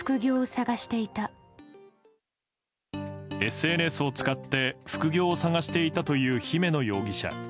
ＳＮＳを使って副業を探していたという姫野容疑者。